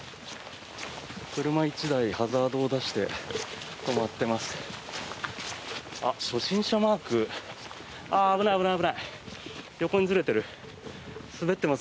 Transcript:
車１台、ハザードを出して止まっています。